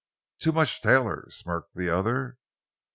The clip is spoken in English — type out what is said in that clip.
"Too much Taylor," smirked the other.